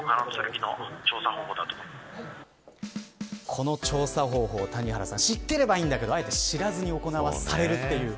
この調査方法、谷原さん知っていればいいんだけどあえて知らずに行わされるという。